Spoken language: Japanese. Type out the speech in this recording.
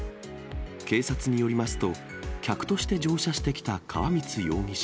警察によりますと、客として乗車してきた川満容疑者。